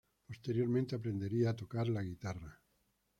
Posteriormente aprendería a tocar la guitarra.